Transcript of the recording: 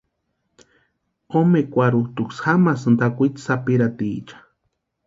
Omekwarhutʼuksï jamasïnti akwitsi sapirhatiecha.